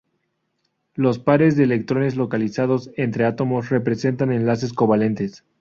Los pares de electrones localizados entre átomos representan enlaces covalentes.